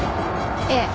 ええ。